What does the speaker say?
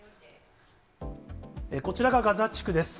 こちらがガザ地区です。